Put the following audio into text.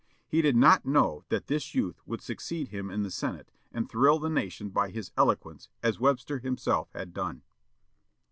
He did not know that this youth would succeed him in the Senate, and thrill the nation by his eloquence, as Webster himself had done.